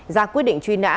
ra quyết định truy nã